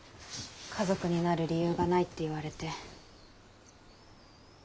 「家族になる理由がない」って言われて。